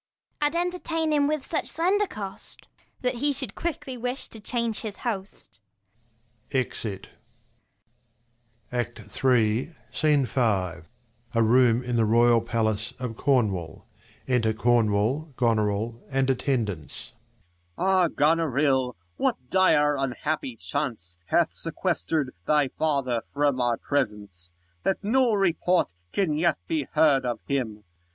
I'd entertain him with such slender cost, That he should quickly wish to change his host. [Exit. Sc. v] HIS THREE DAUGHTERS 39 SCENE V. A room in the royal palace of Cornwall. Enter Cornwall, Gonorill, and attendants. Com. Ah, Gonorill, what dire unhappy chance Hath sequestered thy father from our presence, That no report can yet be heard of him